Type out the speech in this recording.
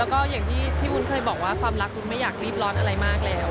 แล้วก็อย่างที่วุ้นเคยบอกว่าความรักวุ้นไม่อยากรีบร้อนอะไรมากแล้ว